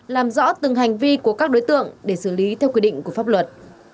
làm rõ từng hành vi của các đối tượng để xử lý theo quy định của pháp luật